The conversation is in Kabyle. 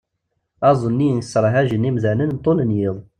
Aḍu-nni yesserhajen imdaden ṭul n yiḍ.